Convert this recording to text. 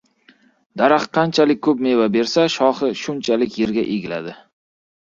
• Daraxt qanchalik ko‘p meva bersa, shoxi shunchalik yerga egiladi.